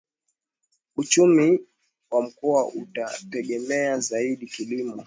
Uchumi wa Mkoa unategemea zaidi kilimo